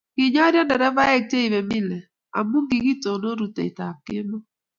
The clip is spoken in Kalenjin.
Kinyorio derevaik che ibei mile amu kikitonon rutoiteb kemou